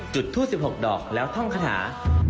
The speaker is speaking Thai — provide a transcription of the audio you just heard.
จุดทูป๑๖ดอกแล้วท่องคาถา